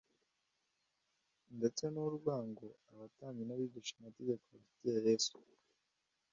ndetse n'urwango abatambyi n'abigishamategeko bafitiye Yesu.